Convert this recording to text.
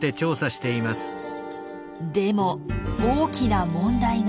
でも大きな問題が。